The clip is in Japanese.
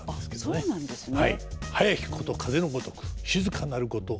あっそうなんですね。